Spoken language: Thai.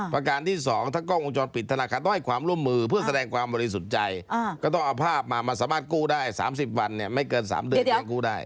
ประการที่๒ถ้ากล้องวงจรปิดธนาคารต้องให้ความร่วมมือเพื่อแสดงความบริสุทธิ์ใจก็ต้องเอาภาพมามันสามารถกู้ได้๓๐วันเนี่ยไม่เกิน๓เดือนยังกู้ได้